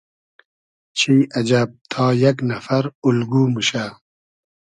چی اجئب تا یئگ نئفر اولگو موشۂ